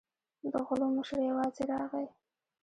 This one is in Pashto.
د غلو مشر یوازې راغی.